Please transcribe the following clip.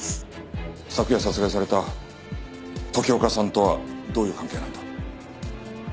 昨夜殺害された時岡さんとはどういう関係なんだ？